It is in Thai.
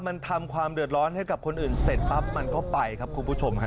มันทำความเดือดร้อนให้กับคนอื่นเสร็จปั๊บมันก็ไปครับคุณผู้ชมฮะ